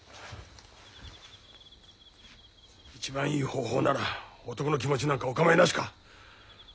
一番いい方法なら男の気持ちなんかお構いなしか。